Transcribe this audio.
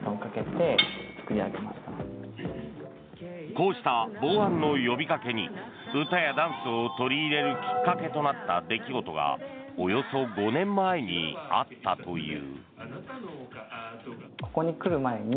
こうした防犯の呼びかけに歌やダンスを取り入れるきっかけとなった出来事がおよそ５年前にあったという。